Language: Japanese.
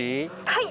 ☎はい。